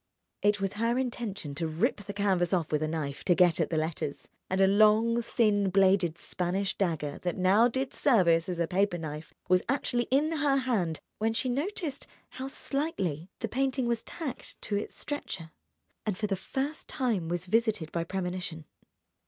It was her intention to rip the canvas off with a knife, to get at the letters; and a long, thin bladed Spanish dagger that now did service as a paper knife was actually in her hand when she noticed how slightly the painting was tacked to its stretcher, and for the first time was visited by premonition.